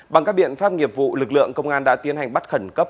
bằng các biện pháp nghiệp vụ lực lượng công an đã tiến hành bắt khẩn cấp